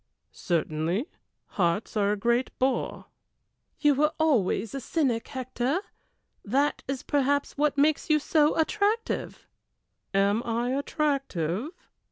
"Certainly hearts are a great bore." "You were always a cynic, Hector; that is perhaps what makes you so attractive." "Am I attractive?"